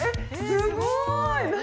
すごい！